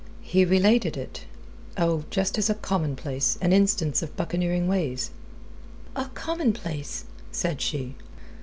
"He related it... oh, just as a commonplace, an instance of buccaneering ways. "A commonplace!" said she.